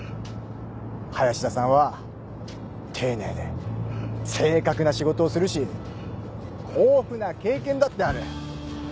林田さんは丁寧で正確な仕事をするし豊富な経験だってある。